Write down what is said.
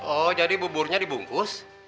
oh jadi buburnya dibungkus